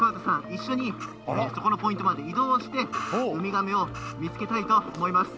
一緒にそこのポイントまで移動してウミガメを見つけたいと思います。